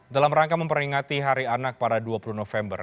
dalam rangka memperingati hari anak pada dua puluh november